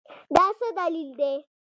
دا څه دلیل دی ؟